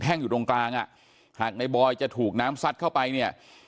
อยู่ตรงกลางอ่ะหากในบอยจะถูกน้ำซัดเข้าไปเนี่ย